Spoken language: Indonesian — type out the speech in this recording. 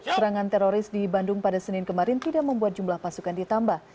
serangan teroris di bandung pada senin kemarin tidak membuat jumlah pasukan ditambah